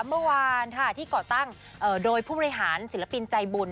เมื่อวานที่ก่อตั้งโดยผู้บริหารศิลปินใจบุญ